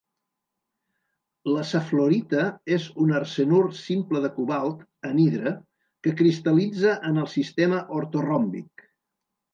La safflorita és un arsenur simple de cobalt, anhidre, que cristal·litza en el sistema ortoròmbic.